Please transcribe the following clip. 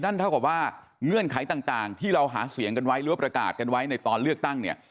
เท่ากับว่าเงื่อนไขต่างที่เราหาเสียงกันไว้หรือว่าประกาศกันไว้ในตอนเลือกตั้งเนี่ย